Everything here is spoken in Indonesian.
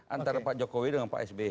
antara pak jokowi dengan pak sby